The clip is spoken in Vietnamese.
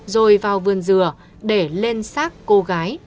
rồi vào vườn dừa để lên xác cô gái